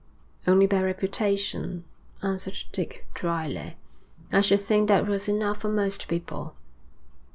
'Only by reputation,' answered Dick drily. 'I should think that was enough for most people.'